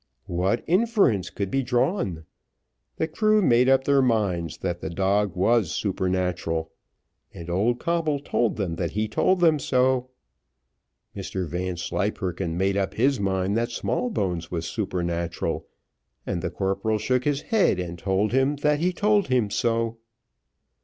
What inference could be drawn. The crew made up their minds that the dog was supernatural; and old Coble told them that he told them so. Mr Vanslyperken made up his mind that Smallbones was supernatural, and the corporal shook his head, and told him that he told him so.